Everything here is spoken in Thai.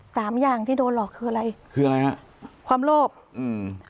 สามอย่างที่โดนหลอกคืออะไรคืออะไรฮะความโลภอืม